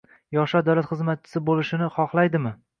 Yoshlar davlat xizmatchisi bo‘lishini xohlaydimi?